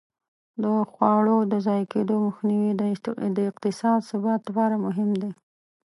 د خواړو د ضایع کېدو مخنیوی د اقتصادي ثبات لپاره مهم دی.